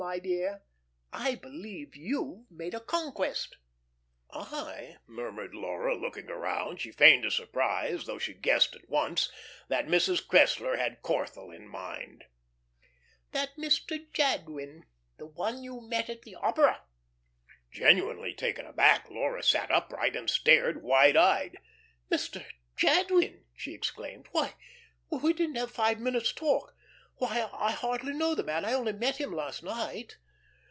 My dear, I believe you've made a conquest." "I!" murmured Laura, looking around. She feigned a surprise, though she guessed at once that Mrs. Cressler had Corthell in mind. "That Mr. Jadwin the one you met at the opera." Genuinely taken aback, Laura sat upright and stared wide eyed. "Mr. Jadwin!" she exclaimed. "Why, we didn't have five minutes' talk. Why, I hardly know the man. I only met him last night."